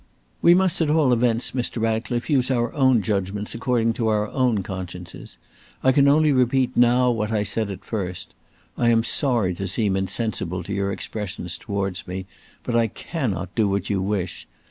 "We must at all events, Mr. Ratcliffe, use our judgments according to our own consciences. I can only repeat now what I said at first. I am sorry to seem insensible to your expressions towards me, but I cannot do what you wish.